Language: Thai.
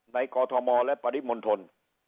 ในกฎธมและปริมณฑล